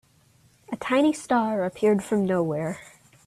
A tiny star appeared from nowhere.